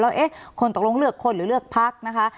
แล้วเอ๊ะคนตกลงเลือกคนหรือเลือกพักนะคะ